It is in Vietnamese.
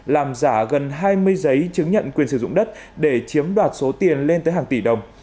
làm giả gần hai mươi giấy chứng nhận quyền sử dụng đất để chiếm đoạt số tiền lên tới hàng tỷ đồng